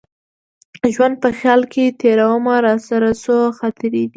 ژوند په خیال کي تېرومه راسره څو خاطرې دي